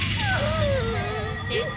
えっ？